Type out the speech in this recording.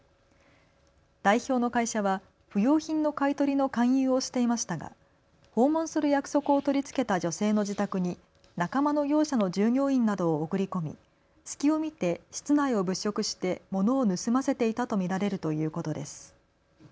代表の会社は不用品の買い取りの勧誘をしていましたが訪問する約束を取り付けた女性の自宅に仲間の業者の従業員などを送り込み隙を見て室内を物色して物を盗ませていたと見られるということです。